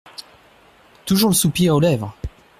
Toujours le soupir aux lèvres !